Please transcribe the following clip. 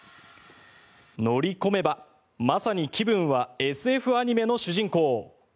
乗り込めば、まさに気分はＳＦアニメの主人公。